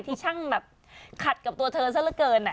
ที่ช่างแบบขัดกับตัวเธอซะละเกิน